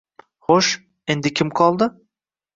Xo`sh, endi kim qoldi